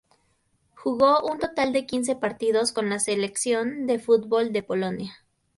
Jugó un total de quince partidos con la selección de fútbol de Polonia.